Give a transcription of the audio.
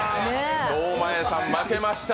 堂前さん、負けました。